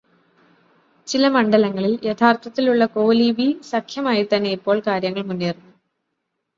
ചില മണ്ഡലങ്ങളിൽ യഥാർഥത്തിലുള്ള 'കോലീബി' സഖ്യമായിത്തന്നെ ഇപ്പോൾ കാര്യങ്ങൾ മുന്നേറുന്നു.